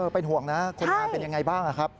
เป็นห่วงนะคนการเป็นอย่างไรบ้างครับ